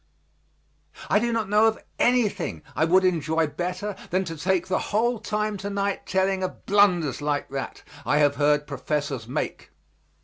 I do not know of anything I would enjoy better than to take the whole time to night telling of blunders like that I have heard professors make.